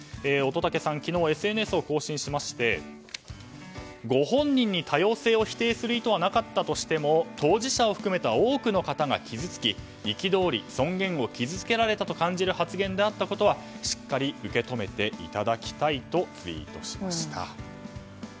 乙武さん、昨日ＳＮＳを更新しましてご本人に多様性を否定する意図はなかったとしても当事者を含めた多くの方々が傷つき憤り、尊厳を傷つけられたと感じる発言であったことは、しっかり受け止めていただきたいとツイートしました。